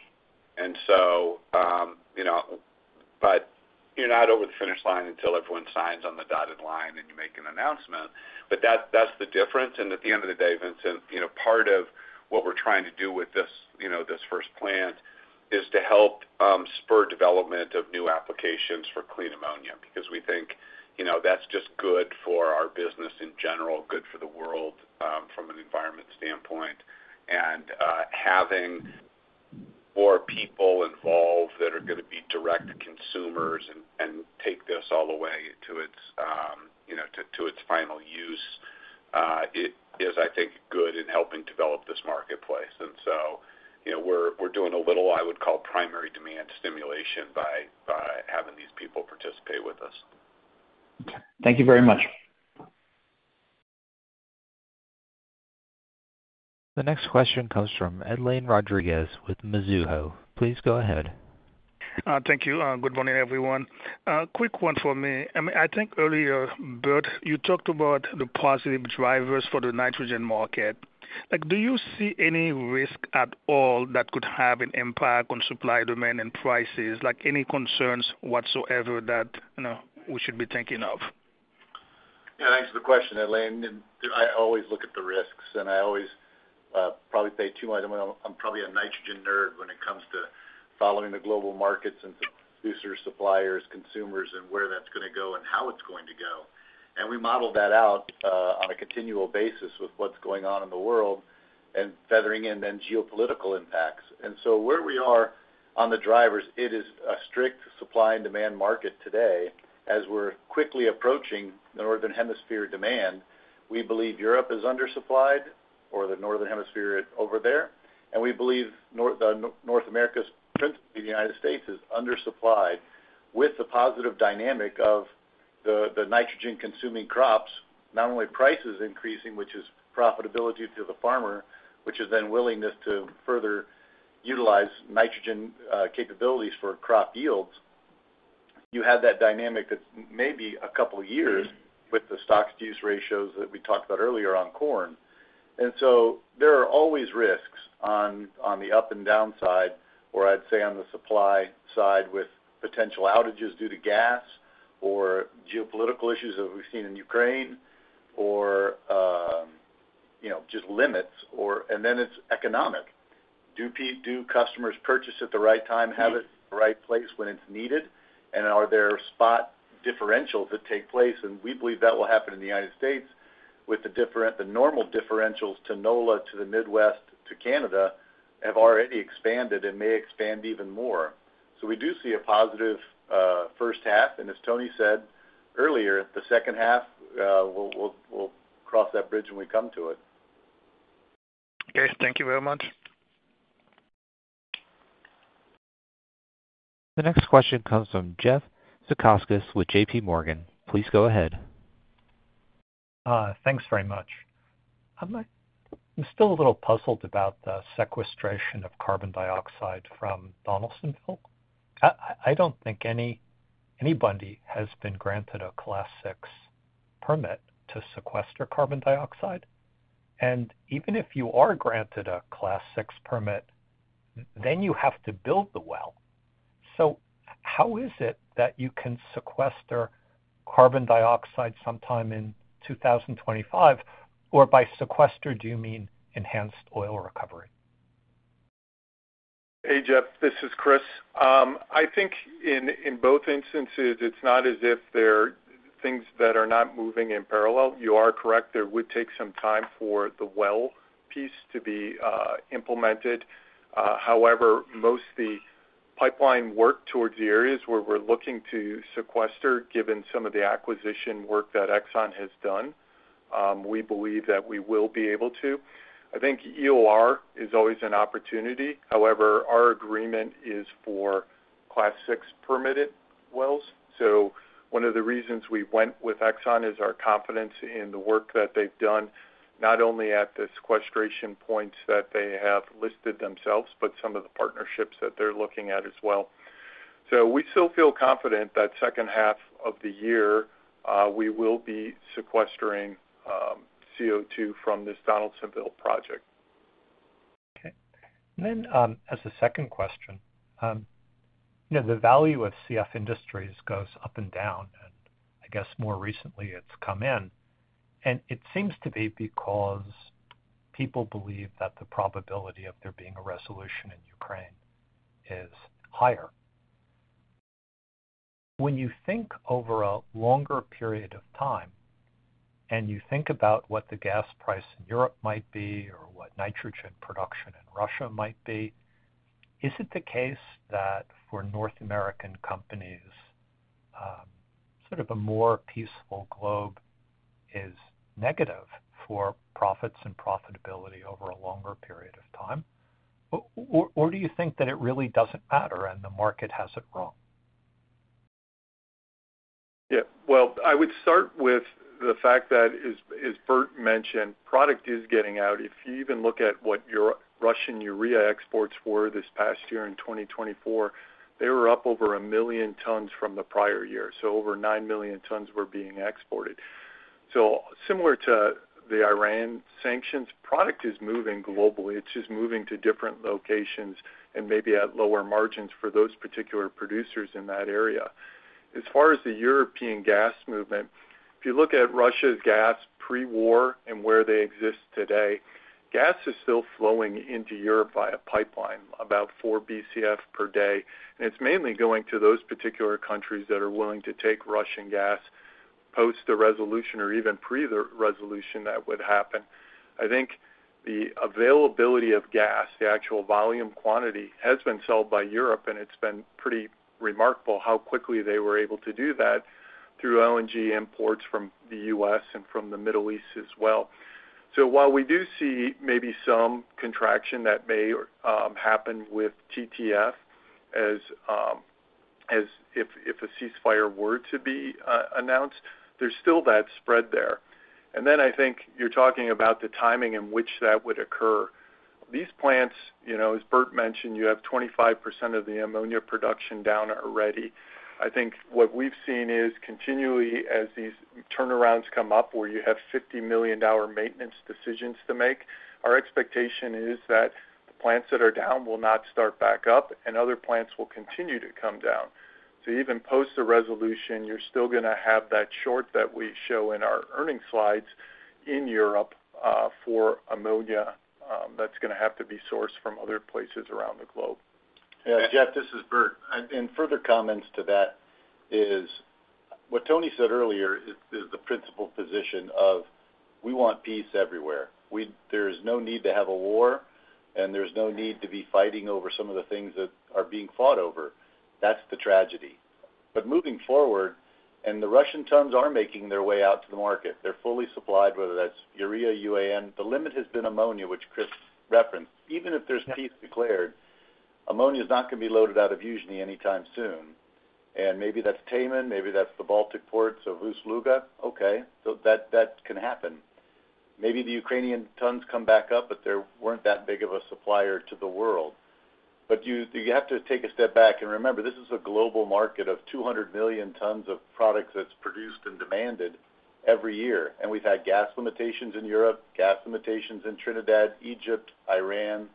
and so, but you're not over the finish line until everyone signs on the dotted line and you make an announcement, but that's the difference, and at the end of the day, Vincent, part of what we're trying to do with this first plant is to help spur development of new applications for clean ammonia because we think that's just good for our business in general, good for the world from an environment standpoint. Having more people involved that are going to be direct consumers and take this all the way to its final use is, I think, good in helping develop this marketplace. So we're doing a little, I would call, primary demand stimulation by having these people participate with us. Okay. Thank you very much. The next question comes from Edlain Rodriguez with Mizuho. Please go ahead. Thank you. Good morning, everyone. Quick one for me. I think earlier, Bert, you talked about the positive drivers for the nitrogen market. Do you see any risk at all that could have an impact on supply demand and prices, like any concerns whatsoever that we should be thinking of? Yeah. Thanks for the question, Edlain. I always look at the risks. And I always probably pay too much, I'm probably a nitrogen nerd when it comes to following the global markets and to producers, suppliers, consumers, and where that's going to go and how it's going to go. And we model that out on a continual basis with what's going on in the world and feathering in then geopolitical impacts. And so where we are on the drivers, it is a strict supply and demand market today. As we're quickly approaching the Northern Hemisphere demand, we believe Europe is undersupplied or the Northern Hemisphere over there. And we believe North America's principally the United States is undersupplied with the positive dynamic of the nitrogen-consuming crops, not only prices increasing, which is profitability to the farmer, which is then willingness to further utilize nitrogen capabilities for crop yields. You have that dynamic that may be a couple of years with the stock-to-use ratios that we talked about earlier on corn. There are always risks on the up and down side, or I'd say on the supply side with potential outages due to gas or geopolitical issues that we've seen in Ukraine or just limits. Then it's economic. Do customers purchase at the right time, have it in the right place when it's needed? Are there spot differentials that take place? We believe that will happen in the United States with the normal differentials to NOLA to the Midwest to Canada have already expanded and may expand even more. We do see a positive first half. As Tony Will said earlier, the second half, we'll cross that bridge when we come to it. Okay. Thank you very much. The next question comes from Jeff Zekauskas with JPMorgan. Please go ahead. Thanks very much. I'm still a little puzzled about the sequestration of carbon dioxide from Donaldsonville. I don't think anybody has been granted a Class VI permit to sequester carbon dioxide. And even if you are granted a Class VI permit, then you have to build the well. So how is it that you can sequester carbon dioxide sometime in 2025? Or by sequester, do you mean enhanced oil recovery? Hey, Jeff. This is Chris. I think in both instances, it's not as if there are things that are not moving in parallel. You are correct. There would take some time for the well piece to be implemented. However, most of the pipeline work towards the areas where we're looking to sequester, given some of the acquisition work that Exxon has done, we believe that we will be able to. I think EOR is always an opportunity. However, our agreement is for Class VI permitted wells. So one of the reasons we went with Exxon is our confidence in the work that they've done, not only at the sequestration points that they have listed themselves, but some of the partnerships that they're looking at as well. So we still feel confident that second half of the year, we will be sequestering CO2 from this Donaldsonville project. Okay. And then as a second question, the value of CF Industries goes up and down. And I guess more recently, it's come in. And it seems to be because people believe that the probability of there being a resolution in Ukraine is higher. When you think over a longer period of time and you think about what the gas price in Europe might be or what nitrogen production in Russia might be, is it the case that for North American companies, sort of a more peaceful globe is negative for profits and profitability over a longer period of time? Or do you think that it really doesn't matter and the market has it wrong? Yeah. Well, I would start with the fact that, as Bert mentioned, product is getting out. If you even look at what your Russian urea exports were this past year in 2024, they were up over a million tons from the prior year. So over nine million tons were being exported. So similar to the Iran sanctions, product is moving globally. It's just moving to different locations and maybe at lower margins for those particular producers in that area. As far as the European gas movement, if you look at Russia's gas pre-war and where they exist today, gas is still flowing into Europe via pipeline, about four BCF per day. And it's mainly going to those particular countries that are willing to take Russian gas post the resolution or even pre-resolution that would happen. I think the availability of gas, the actual volume quantity, has been sold by Europe. And it's been pretty remarkable how quickly they were able to do that through LNG imports from the U.S. and from the Middle East as well. So while we do see maybe some contraction that may happen with TTF if a ceasefire were to be announced, there's still that spread there. And then I think you're talking about the timing in which that would occur. These plants, as Bert mentioned, you have 25% of the ammonia production down already. I think what we've seen is continually as these turnarounds come up where you have $50 million maintenance decisions to make, our expectation is that the plants that are down will not start back up and other plants will continue to come down. So even post the resolution, you're still going to have that short that we show in our earnings slides in Europe for ammonia that's going to have to be sourced from other places around the globe. Yeah. Jeff, this is Bert. And further comments to that is what Tony said earlier is the principal position of, "We want peace everywhere. There is no need to have a war, and there's no need to be fighting over some of the things that are being fought over." That's the tragedy. But moving forward, and the Russian tons are making their way out to the market. They're fully supplied, whether that's urea, UAN. The limit has been ammonia, which Chris referenced. Even if there's peace declared, ammonia is not going to be loaded out of Yuzhny anytime soon. And maybe that's Taman. Maybe that's the Baltic ports of Ust-Luga. Okay. So that can happen. Maybe the Ukrainian tons come back up, but they weren't that big of a supplier to the world. But you have to take a step back and remember, this is a global market of 200 million tons of products that's produced and demanded every year. And we've had gas limitations in Europe, gas limitations in Trinidad, Egypt, Iran,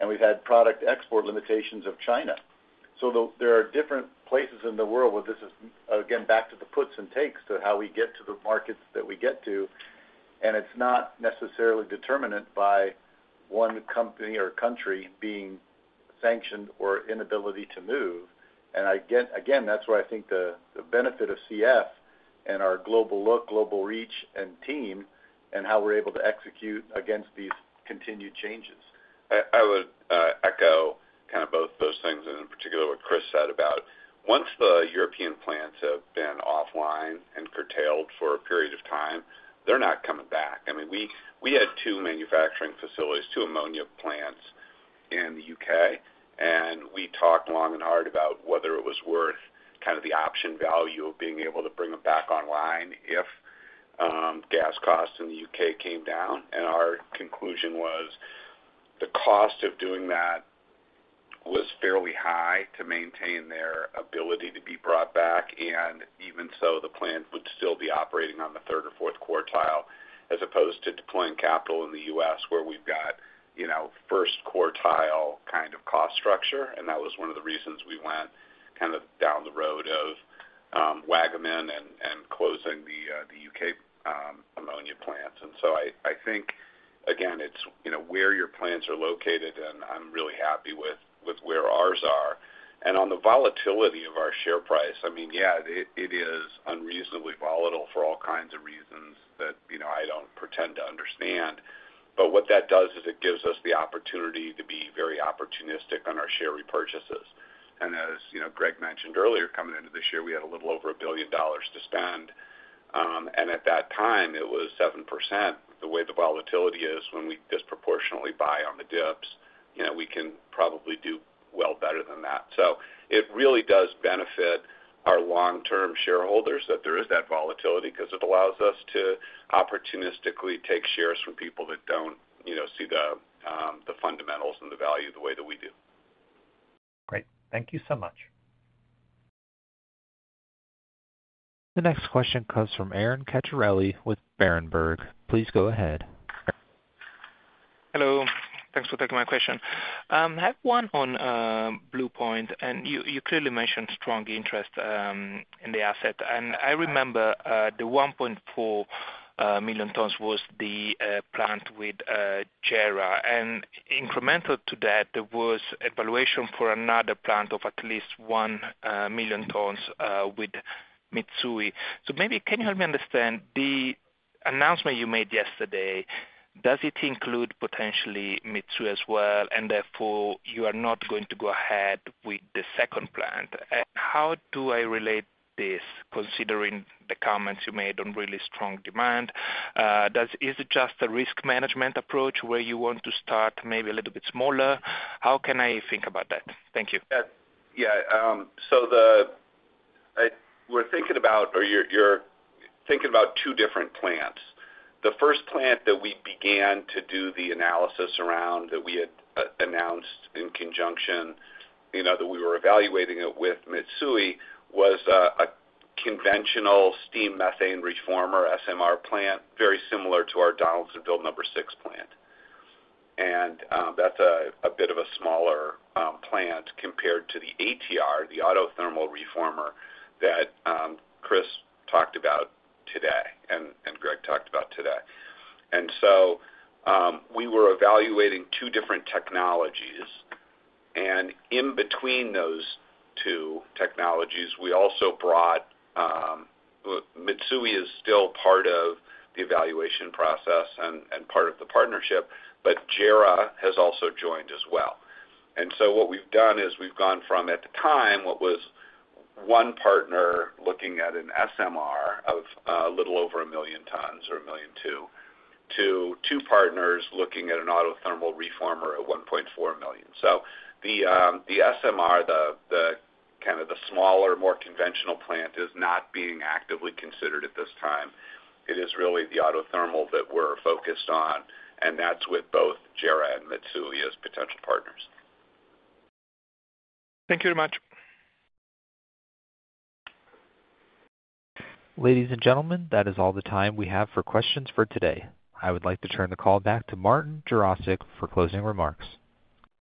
and we've had product export limitations of China. So there are different places in the world where this is, again, back to the puts and takes to how we get to the markets that we get to. And it's not necessarily determined by one company or country being sanctioned or inability to move. And again, that's where I think the benefit of CF and our global look, global reach, and team and how we're able to execute against these continued changes. I would echo kind of both those things and in particular what Chris said about once the European plants have been offline and curtailed for a period of time, they're not coming back. I mean, we had two manufacturing facilities, two ammonia plants in the U.K. And we talked long and hard about whether it was worth kind of the option value of being able to bring them back online if gas costs in the U.K. came down. And our conclusion was the cost of doing that was fairly high to maintain their ability to be brought back. And even so, the plant would still be operating on the third or fourth quartile as opposed to deploying capital in the U.S. where we've got first quartile kind of cost structure. And that was one of the reasons we went kind of down the road of Waggaman and closing the UK ammonia plants. And so I think, again, it's where your plants are located, and I'm really happy with where ours are. And on the volatility of our share price, I mean, yeah, it is unreasonably volatile for all kinds of reasons that I don't pretend to understand. But what that does is it gives us the opportunity to be very opportunistic on our share repurchases. And as Greg mentioned earlier, coming into this year, we had a little over $1 billion to spend. And at that time, it was 7%. The way the volatility is when we disproportionately buy on the dips, we can probably do well better than that. So it really does benefit our long-term shareholders that there is that volatility because it allows us to opportunistically take shares from people that don't see the fundamentals and the value the way that we do. Great. Thank you so much. The next question comes from Aron Ceccarelli with Berenberg. Please go ahead. Hello. Thanks for taking my question. I have one on Blue Point, and you clearly mentioned strong interest in the asset. And I remember the 1.4 million tons was the plant with JERA. And incremental to that, there was evaluation for another plant of at least 1 million tons with Mitsui. So maybe can you help me understand the announcement you made yesterday? Does it include potentially Mitsui as well? And therefore, you are not going to go ahead with the second plant. How do I relate this considering the comments you made on really strong demand? Is it just a risk management approach where you want to start maybe a little bit smaller? How can I think about that? Thank you. Yeah. So we're thinking about or you're thinking about two different plants. The first plant that we began to do the analysis around that we had announced in conjunction that we were evaluating it with Mitsui was a conventional steam methane reformer SMR plant, very similar to our Donaldsonville number six plant. And that's a bit of a smaller plant compared to the ATR, the autothermal reformer that Chris talked about today and Greg talked about today. And so we were evaluating two different technologies. And in between those two technologies, we also brought Mitsui is still part of the evaluation process and part of the partnership, but JERA has also joined as well. What we've done is we've gone from, at the time, what was one partner looking at an SMR of a little over 1 million tons or 1.2 million to two partners looking at an autothermal reformer of 1.4 million, so the SMR, kind of the smaller, more conventional plant is not being actively considered at this time. It is really the autothermal that we're focused on, and that's with both JERA and Mitsui as potential partners. Thank you very much. Ladies and gentlemen, that is all the time we have for questions for today. I would like to turn the call back to Martin Jarosick for closing remarks.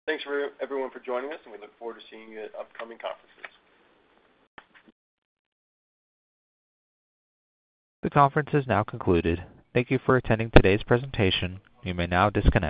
Thanks, everyone, for joining us, and we look forward to seeing you at upcoming conferences. The conference is now concluded. Thank you for attending today's presentation. You may now disconnect.